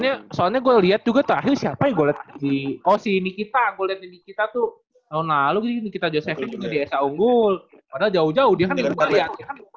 ya tapi soalnya gue liat juga terakhir siapa yang gue liat lagi oh si nikita gue liat nikita tuh tahun lalu nikita josephi juga di s a unggul padahal jauh jauh dia kan di rumah liat